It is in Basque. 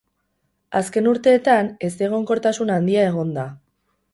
Azken urteetan ezegonkortasun handia egon da.